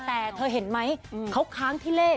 แต่ที่เห็นมั้ยเขาค้างที่เลข